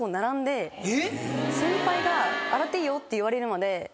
先輩が「洗っていいよ」って言われるまで。